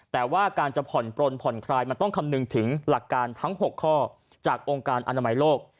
แต่ว่าการจะผ่อนปลนผ่อนคลายมันต้องคำนึงถึงหลักการทั้ง๖ข้อจากองค์การอนามัยโลก